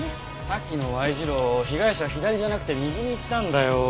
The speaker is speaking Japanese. さっきのＹ字路被害者は左じゃなくて右に行ったんだよ。